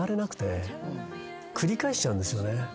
繰り返しちゃうんですよね。